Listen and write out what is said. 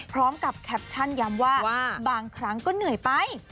แคปชั่นย้ำว่าบางครั้งก็เหนื่อยไป